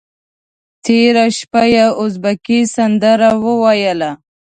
تېره شپه یې ازبکي سندره وویله.